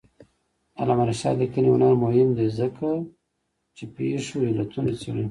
د علامه رشاد لیکنی هنر مهم دی ځکه چې پېښو علتونه څېړي.